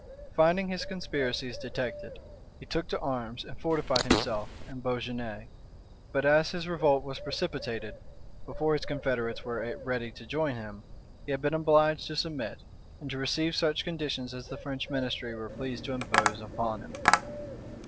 Finding his conspiracies detected, he took to arms, and fortified himself in Beaugeune; but as his revolt was precipitate, before his confederates were ready to join him, he had been obliged to submit, and to receive such conditions as the French ministry were pleased to impose upon him.